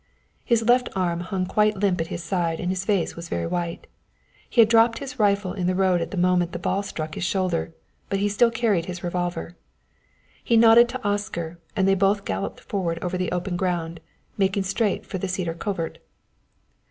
His left arm hung quite limp at his side and his face was very white. He had dropped his rifle in the road at the moment the ball struck his shoulder, but he still carried his revolver. He nodded to Oscar, and they both galloped forward over the open ground, making straight for the cedar covert.